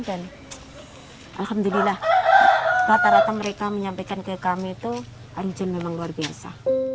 dan alhamdulillah rata rata mereka menyampaikan ke kami itu air hujan memang luar biasa